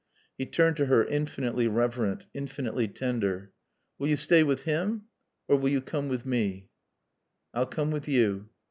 He turned to her, infinitely reverent, infinitely tender. "Will yo' staay with 'im? Or will yo' coom with mae?" "I'll come with you."